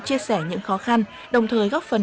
chia sẻ những khó khăn đồng thời góp phần